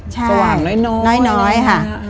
สว่างน้อยค่ะ